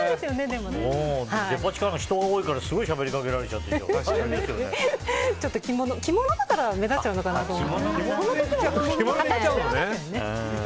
デパ地下は人が多いからすごいしゃべりかけられちゃって着物だから目立っちゃうのかなと思って。